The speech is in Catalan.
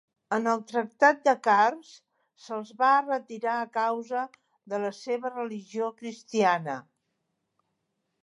En el tractat de Kars se'ls va retirar a causa de la seva religió cristiana.